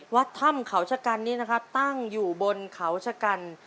วัดถ้ำเขาชะกันนี้นะคะตั้งอยู่บนเขาชะกัน